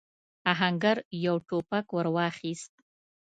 آهنګر يو ټوپک ور واخيست.